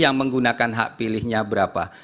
yang menggunakan hak pilihnya berapa